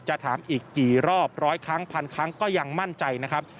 ถามอีกกี่รอบร้อยครั้งพันครั้งก็ยังมั่นใจนะครับ